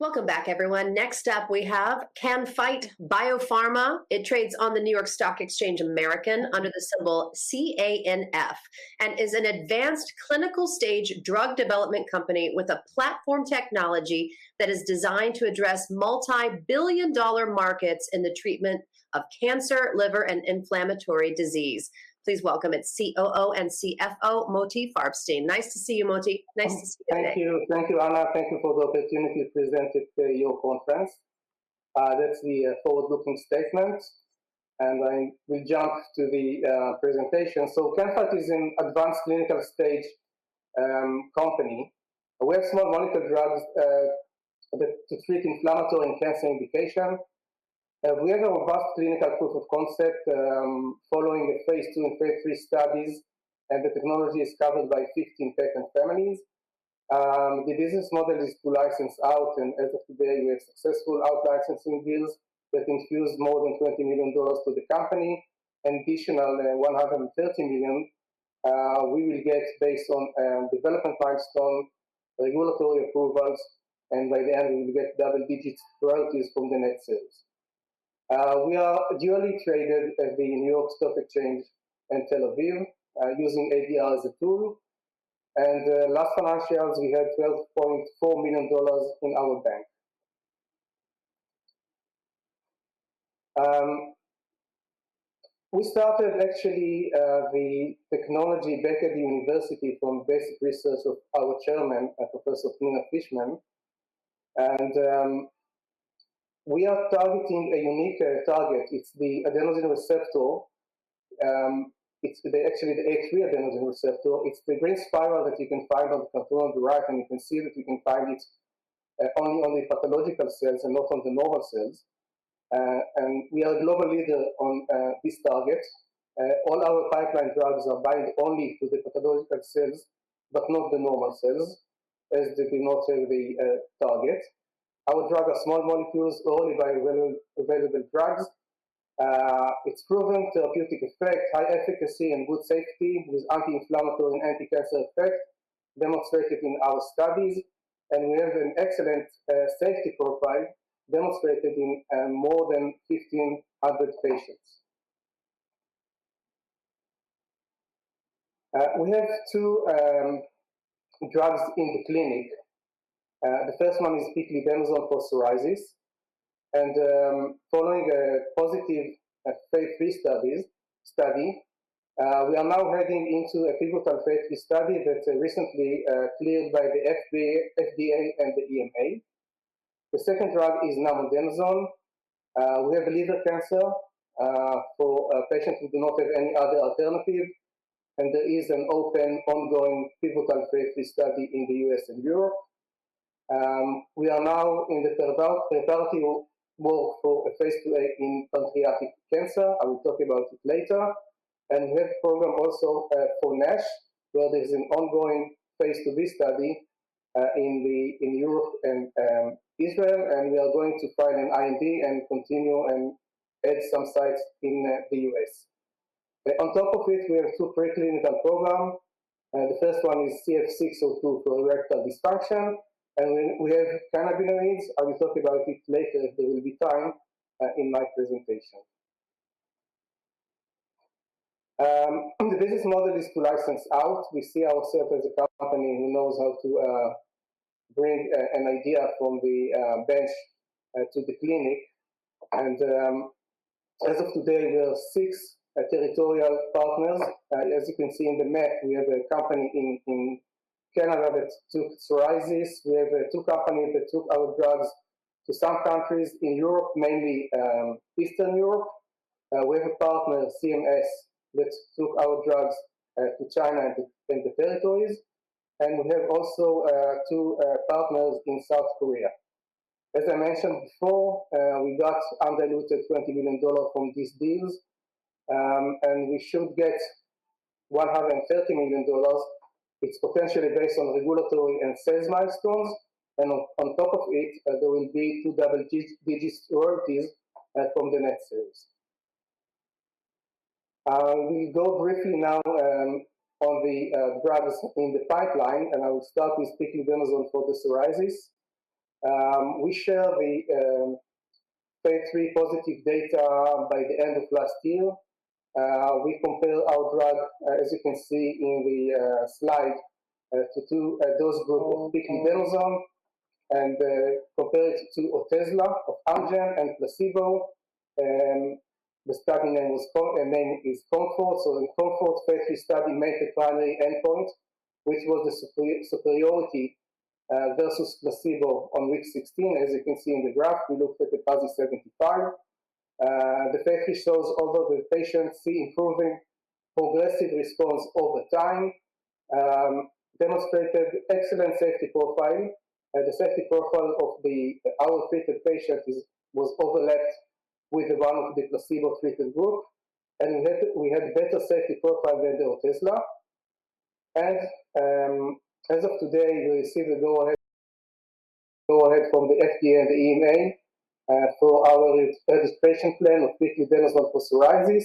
Welcome back, everyone. Next up, we have Can-Fite BioPharma. It trades on the NYSE American under the symbol CANF, and is an advanced clinical stage drug development company with a platform technology that is designed to address multi-billion dollar markets in the treatment of cancer, liver, and inflammatory disease. Please welcome its COO and CFO, Motti Farbstein. Nice to see you, Motti. Nice to see you again. Thank you. Thank you, Anna. Thank you for the opportunity presented to your conference. That's the forward-looking statement, and I will jump to the presentation. Can-Fite is an advanced clinical stage company. We have small molecule drugs that to treat inflammatory and cancer indication. We have a robust clinical proof of concept following a phase II and phase III studies, and the technology is covered by 15 patent families. The business model is to license out, and as of today, we have successful out-licensing deals that infused more than $20 million to the company, and additional $130 million we will get based on development milestone, regulatory approvals, and by the end, we will get double-digit royalties from the net sales. We are duly traded at the NYSE American and Tel Aviv, using ADR as a tool. Last financials, we had $12.4 million in our bank. We started actually the technology back at university from basic research of our chairman, Professor Pnina Fishman. We are targeting a unique target. It's the adenosine receptor. It's actually the A3 adenosine receptor. It's the green spiral that you can find on the top on the right, and you can see that you can find it only on the pathological cells and not on the normal cells. We are global leader on this target. All our pipeline drugs are bind only to the pathological cells, but not the normal cells, as they do not have the target. Our drugs are small molecules, orally bioavailable, available drugs. It's proven therapeutic effect, high efficacy, and good safety, with anti-inflammatory and anti-cancer effect demonstrated in our studies. We have an excellent, safety profile demonstrated in, more than 1,500 patients. We have two, drugs in the clinic. The first one is Piclidenoson for psoriasis. Following a phase III studies, we are now heading into a phase III studies that recently, cleared by the FDA and the EMA. The second drug is Namodenoson. We have liver cancer, for, patients who do not have any other alternative, and there is an open, ongoing phase III studies in the U.S. and Europe. We are now in the preparatory work for a phase IIa in pancreatic cancer. I will talk about it later. We have program also for NASH, where there's an ongoing phase IIb study in Europe and Israel. We are going to file an IND and continue and add some sites in the U.S. On top of it, we have two preclinical programs. The first one is CF602 for erectile dysfunction. We have cannabinoids. I will talk about it later, if there will be time in my presentation. The business model is to license out. We see ourselves as a company who knows how to bring an idea from the bench to the clinic. As of today, we have six territorial partners. As you can see in the map, we have a company in Canada that took psoriasis. We have two companies that took our drugs to some countries in Europe, mainly Eastern Europe. We have a partner, CMS, which took our drugs to China and the territories. We have also two partners in South Korea. As I mentioned before, we got undiluted $20 million from these deals. We should get $130 million. It's potentially based on regulatory and sales milestones, and on top of it, there will be two double-digit royalties from the net sales. We'll go briefly now on the drugs in the pipeline, and I will start with Piclidenoson for the psoriasis. We share the Phase III positive data by the end of last year. We compare our drug, as you can see in the slide, to two dose group of Piclidenoson, and compare it to Otezla, apremilast and placebo. The study name is COMFORT. In COMFORT, phase III studies made the primary endpoint, which was the superiority versus placebo on week 16. As you can see in the graph, we looked at the PASI 75. The phase III shows all of the patients see improving, progressive response over time. Demonstrated excellent safety profile, and the safety profile of our treated patient is, was overlapped with the one of the placebo-treated group. We had better safety profile than the Otezla. As of today, we received the go-ahead from the FDA and the EMA. for our registration plan of Piclidenoson for psoriasis,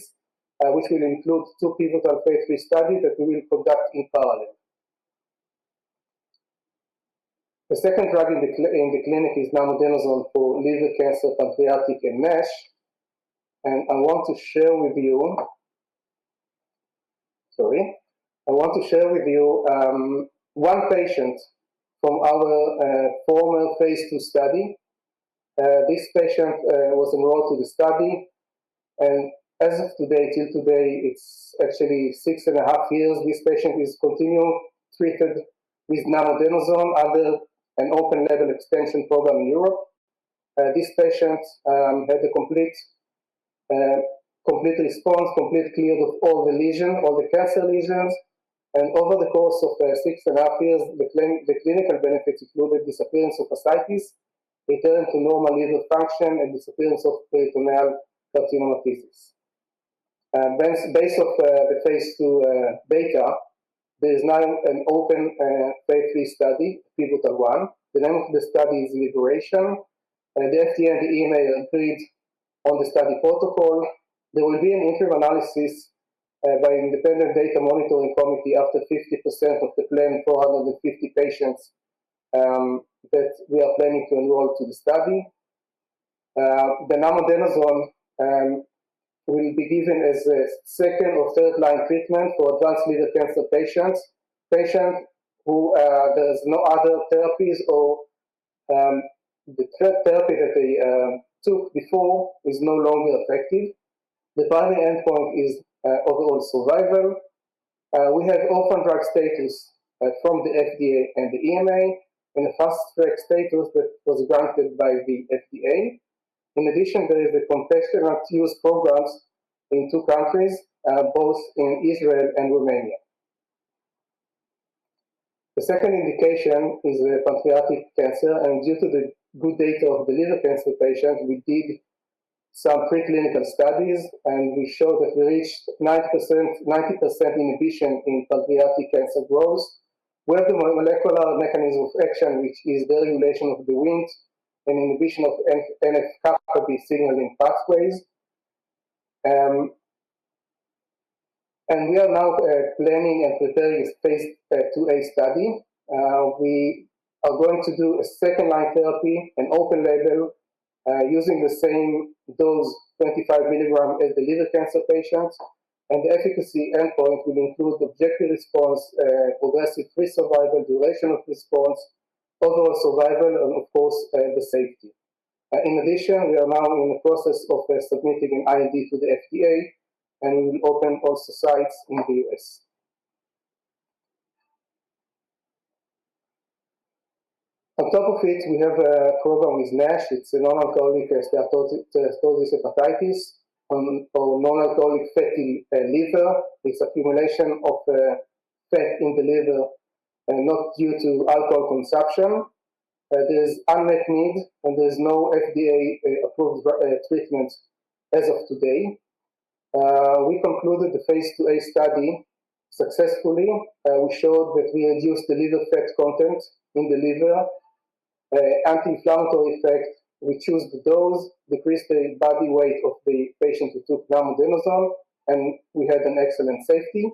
which will include two phase III studies that we will conduct in parallel. The second drug in the clinic is Namodenoson for liver cancer, pancreatic, and NASH. I want to share with you, one patient from our, former phase II study. This patient, was enrolled to the study, and as of today, till today, it's actually 6.5 years. This patient is continued, treated with Namodenoson under an open-label expansion program in Europe. This patient, had a complete response, complete cleared of all the lesion, all the cancer lesions. Over the course of 6.5 years, the clinical benefits included disappearance of ascites, return to normal liver function, and disappearance of peritoneal carcinomatosis. Based off the phase II data, there is now an phase III studies, pivotal one. The name of the study is LIVERATION, and the FDA and the EMA agreed on the study protocol. There will be an interim analysis by Independent Data Monitoring Committee after 50% of the planned 450 patients that we are planning to enroll to the study. The Namodenoson will be given as a second or third-line treatment for advanced liver cancer patients. Patient who there's no other therapies or the third therapy that they took before is no longer effective. The primary endpoint is overall survival. We have Orphan Drug status from the FDA and the EMA, and a Fast Track status that was granted by the FDA. In addition, there is a compassionate use programs in two countries, both in Israel and Romania. The second indication is pancreatic cancer, and due to the good data of the liver cancer patients, we did some preclinical studies, and we showed that we reached 90% inhibition in pancreatic cancer growth. We have the molecular mechanism of action, which is the regulation of the WNT and inhibition of NF-κB signaling pathways. We are now planning and preparing a phase IIa study. We are going to do a second-line therapy, an open label, using the same dose, 25 mg, as the liver cancer patients. The efficacy endpoint will include objective response, progression-free survival, duration of response, overall survival, and of course, the safety. In addition, we are now in the process of submitting an IND to the FDA, and we will open also sites in the U.S. On top of it, we have a program with NASH. It's a Nonalcoholic Steatohepatitis, or Nonalcoholic Fatty Liver. It's accumulation of fat in the liver and not due to alcohol consumption. There's unmet need, and there's no FDA approved treatment as of today. We concluded the phase IIa study successfully. We showed that we reduced the liver fat content in the liver, anti-inflammatory effect. We chose the dose, decreased the body weight of the patient who took Namodenoson, and we had an excellent safety.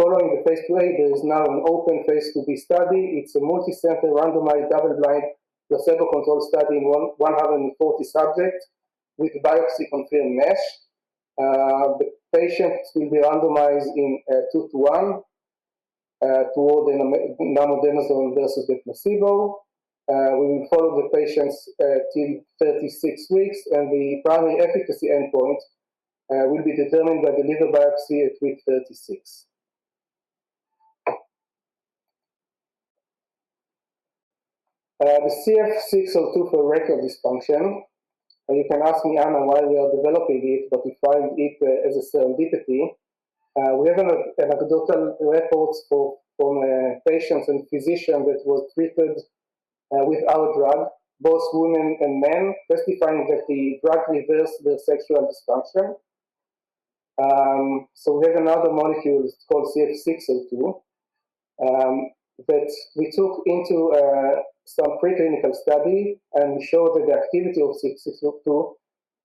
Following the phase IIa, there is now an open phase IIb study. It's a multicenter, randomized, double-blind, placebo-controlled study in 140 subjects with biopsy-confirmed NASH. The patients will be randomized in 2 to 1 toward the Namodenoson versus the placebo. We will follow the patients till 36 weeks, and the primary efficacy endpoint will be determined by the liver biopsy at week 36. The CF602 for erectile dysfunction, and you can ask me Anna why we are developing it, but we find it as a serendipity. We have an anecdotals reports from patients and physicians that was treated with our drug, both women and men, testifying that the drug reversed the sexual dysfunction. We have another molecule, it's called CF602, that we took into some preclinical study and showed that the activity of CF602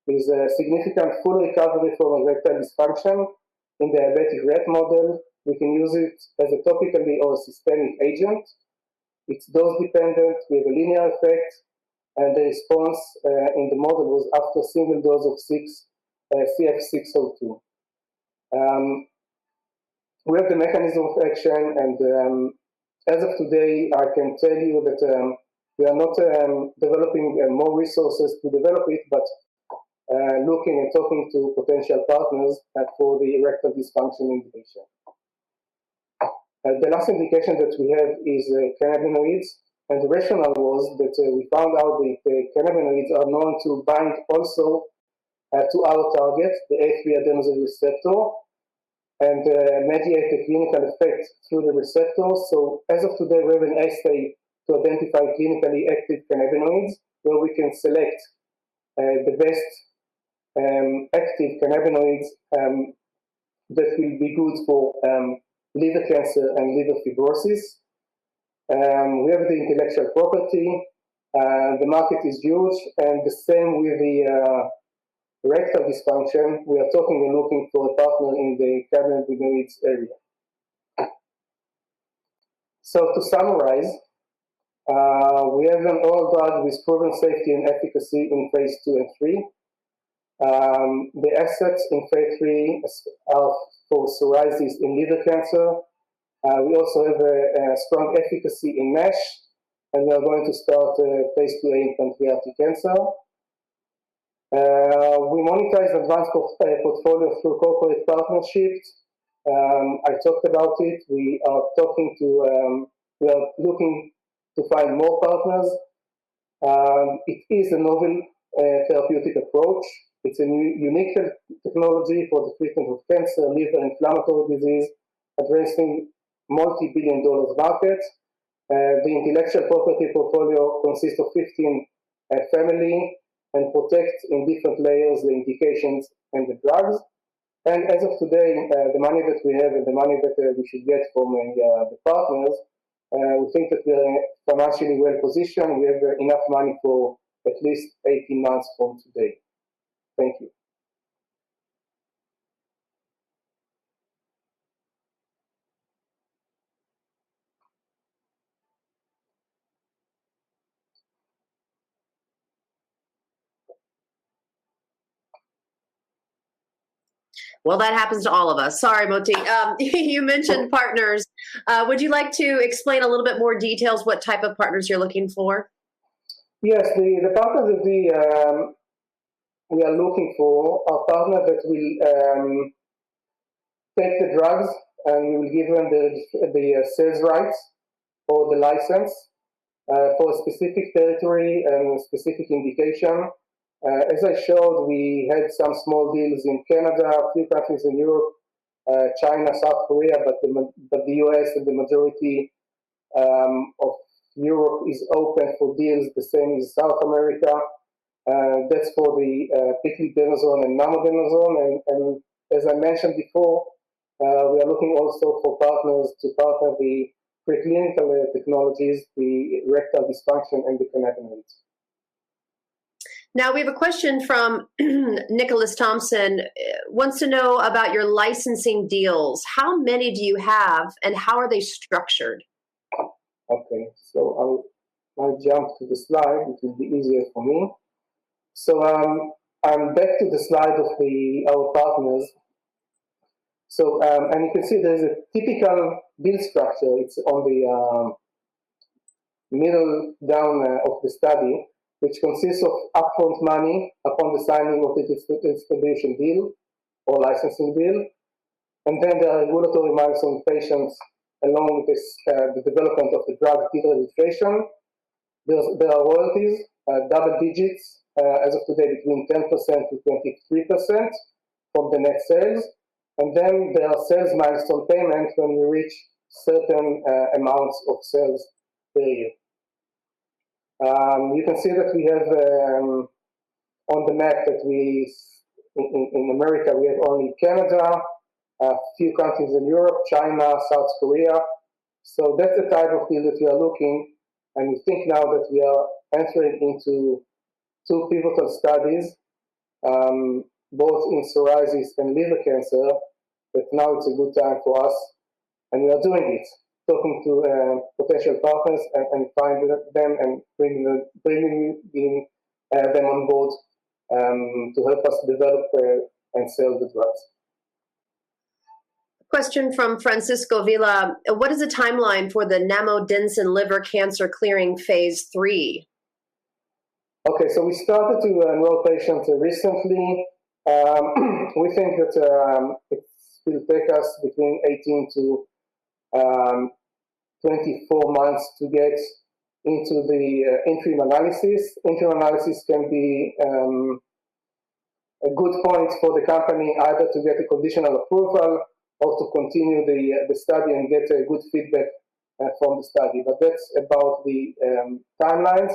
is a significant full recovery from erectile dysfunction in diabetic rat model. We can use it as a topically or a systemic agent. It's dose-dependent with a linear effect, and the response in the model was after single dose of six CF602. We have the mechanism of action and, as of today, I can tell you that we are not developing more resources to develop it, but looking and talking to potential partners for the erectile dysfunction indication. The last indication that we have is cannabinoids. The rationale was that we found out the cannabinoids are known to bind also to our target, the A3 adenosine receptor, and mediate the clinical effects through the receptors. As of today, we have an assay to identify clinically active cannabinoids, where we can select the best active cannabinoids that will be good for liver cancer and liver fibrosis. We have the intellectual property, the market is huge, and the same with the erectile dysfunction. We are talking and looking for a partner in the cannabinoids area. To summarize, we have an oral drug with proven safety and efficacy in phase II and 3. The assets in phase III are for psoriasis and liver cancer. We also have a strong efficacy in NASH, we are going to start phase II in pancreatic cancer. We monetize advanced portfolio through corporate partnerships. I talked about it. We are looking to find more partners. It is a novel therapeutic approach. It's a unique technology for the treatment of cancer, liver, and inflammatory disease, addressing multi-billion dollar markets. The intellectual property portfolio consists of 15 families, protects in different layers, the indications and the drugs. As of today, the money that we have and the money that we should get from the partners, we think that we are financially well-positioned. We have enough money for at least 18 months from today. Thank you. Well, that happens to all of us. Sorry, Motti. You mentioned partners. Would you like to explain a little bit more details what type of partners you're looking for? Yes. The partner that we are looking for, a partner that will take the drugs, and we will give them the sales rights or the license for a specific territory and specific indication. As I showed, we had some small deals in Canada, a few countries in Europe, China, South Korea, but the U.S. and the majority of Europe is open for deals, the same as South America. That's for the Piclidenoson and Namodenoson. As I mentioned before, we are looking also for partners to partner the preclinical technologies, the erectile dysfunction and the cannabinoids. We have a question from Nicolas Thompson. Wants to know about your licensing deals. How many do you have, and how are they structured? Okay, I'll jump to the slide, which will be easier for me. I'm back to the slide of our partners. You can see there's a typical deal structure. It's on the middle down of the study, which consists of upfront money upon the signing of the distribution deal or licensing deal, there are regulatory milestones patients, along with this, the development of the drug labelization. There are royalties, double digits, as of today, between 10% and 23% from the net sales. There are sales milestone payments when we reach certain amounts of sales per year. You can see that we have on the map, in America, we have only Canada, a few countries in Europe, China, South Korea. That's the type of deal that we are looking. We think now that we are entering into two pivotal studies, both in psoriasis and liver cancer, that now it's a good time for us, and we are doing it. Talking to potential partners and find them, and bringing in them on board to help us develop and sell the drugs. Question from Francisco Vilar: What is the timeline for the Namodenoson liver cancer clearing phase III? We started to enroll patients recently. We think that it will take us between 18-24 months to get into the interim analysis. Interim analysis can be a good point for the company either to get a conditional approval or to continue the study and get a good feedback from the study. That's about the timelines.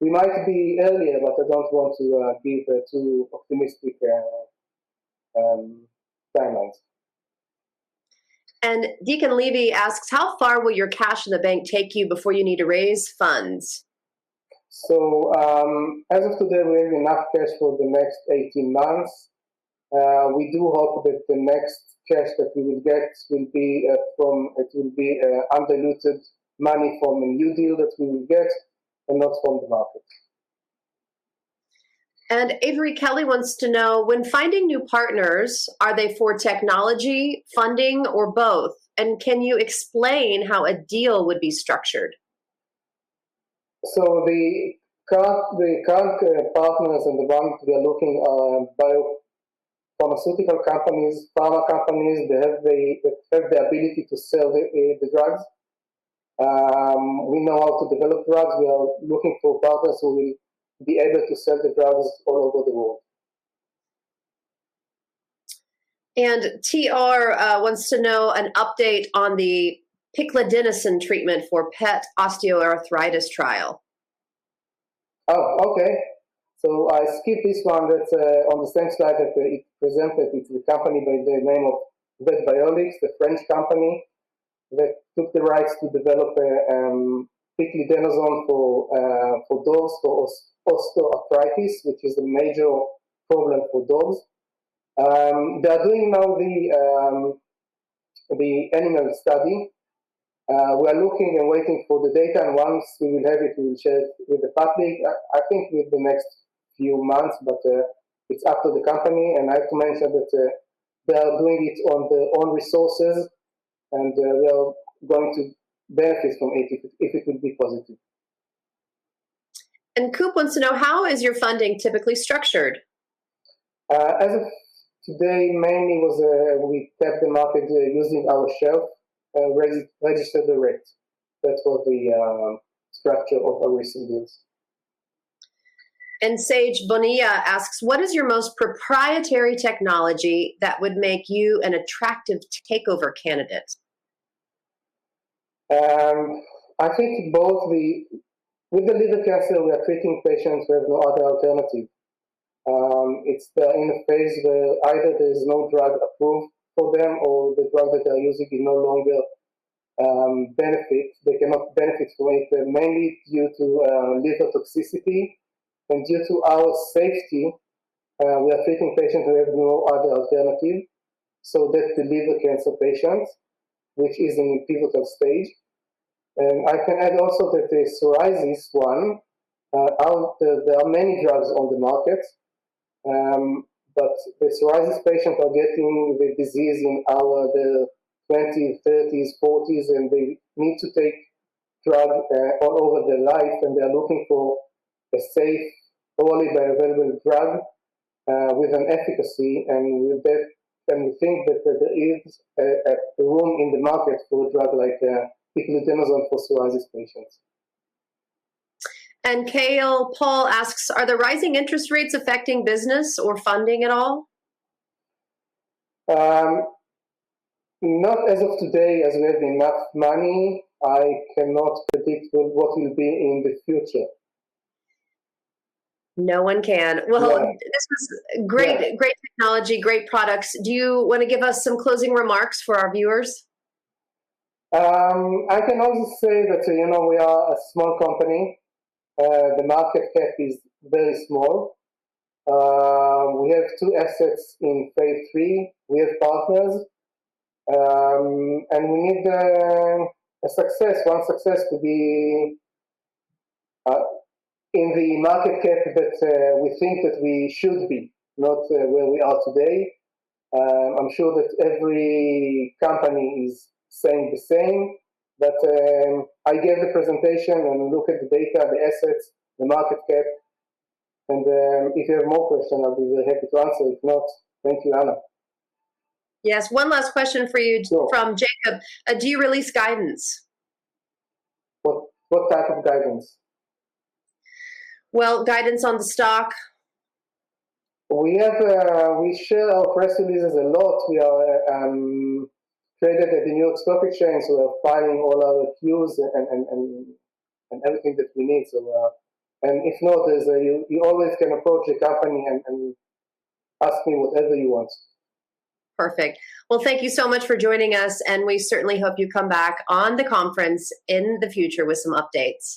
We might be earlier, but I don't want to be too optimistic timelines. Dagan Levi asks: How far will your cash in the bank take you before you need to raise funds? As of today, we have enough cash for the next 18 months. We do hope that the next cash that we will get will be undiluted money from a new deal that we will get and not from the market. Avery Kelley wants to know: When finding new partners, are they for technology, funding, or both? Can you explain how a deal would be structured? The current partners in the bank, we are looking, biopharmaceutical companies, pharma companies, they have the ability to sell the drugs. We know how to develop drugs. We are looking for partners who will be able to sell the drugs all over the world. TR wants to know an update on the Piclidenoson treatment for pet osteoarthritis trial. I skipped this one, that's on the same slide that we presented with the company by the name of Vetbiolix, the French company, that took the rights to develop Piclidenoson for dogs for osteoarthritis, which is a major problem for dogs. They are doing now the animal study. We are looking and waiting for the data, and once we will have it, we will share it with the public. I think within the next few months, but it's up to the company, and I have to mention that they are doing it on their own resources, and we are going to benefit from it if it will be positive. Cope wants to know: How is your funding typically structured? As of today, mainly was, we tap the market using our shelf, registered direct. That's what the structure of our recent is. Seth Bonilla asks: What is your most proprietary technology that would make you an attractive takeover candidate? I think both the. With the liver cancer, we are treating patients who have no other alternative. It's there in a phase where either there is no drug approved for them, or the drug that they are using it no longer benefit. They cannot benefit from it, mainly due to liver toxicity, and due to our safety, we are treating patients who have no other alternative. That's the liver cancer patients, which is in a pivotal stage. I can add also that the psoriasis one, there are many drugs on the market. The psoriasis patients are getting the disease in our, their twenties, thirties, forties, and they need to take drug all over their life, and they are looking for a safe, orally bioavailable drug with an efficacy. We think that there is a room in the market for a drug like Piclidenoson for psoriasis patients. Kyle Paul asks: Are the rising interest rates affecting business or funding at all? Not as of today, as we have enough money. I cannot predict what will be in the future. No one can. Yeah. Well, this was great technology, great products. Do you want to give us some closing remarks for our viewers? I can only say that, you know, we are a small company. The market cap is very small. We have two assets in phase III. We have partners. We need a success, one success to be in the market cap that we think that we should be, not where we are today. I'm sure that every company is saying the same, but I gave the presentation and look at the data, the assets, the market cap, and if you have more questions, I'll be very happy to answer. If not, thank you, Anna. Yes. One last question for you. Sure. Do you release guidance? What type of guidance? Well, guidance on the stock. We have, we share our press releases a lot. We are, traded at the New York Stock Exchange, so we're filing all our 10-Qs and everything that we need. If not, there's a. You always can approach the company and ask me whatever you want. Perfect. Well, thank you so much for joining us, and we certainly hope you come back on the conference in the future with some updates.